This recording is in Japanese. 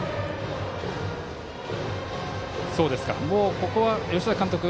ここは吉崎監督